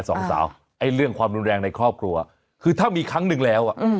สองสาวไอ้เรื่องความรุนแรงในครอบครัวคือถ้ามีครั้งหนึ่งแล้วอ่ะ